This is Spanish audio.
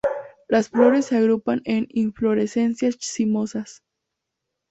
Las flores se agrupan en inflorescencias cimosas.